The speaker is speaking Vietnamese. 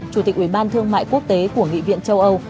chủ tịch ủy ban thương mại quốc tế của nghị viện châu âu